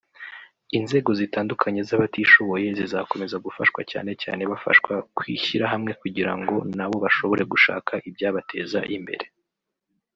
inzego zitandukanye z’abatishoboye zizakomeza gufashwa cyane cyane bafashwa kwishyirahamwe kugira ngo nabo bashobore gushaka ibyabateza imbere